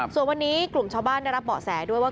ส่วนวันนี้กลุ่มชาวบ้านได้รับเบาะแสด้วยว่า